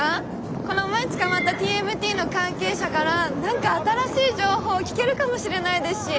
この前捕まった「ＴＭＴ」の関係者から何か新しい情報聞けるかもしれないですし。